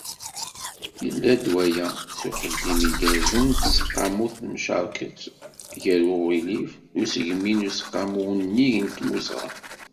Yella-d waya, s uxeddim igerrzen n Teseqqamut tamcarekt gar uɣlif n usegmi d Useqqamu Unnig n Timmuzɣa.